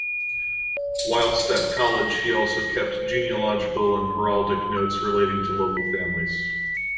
Whilst at college, he also kept genealogical and heraldic notes relating to local families.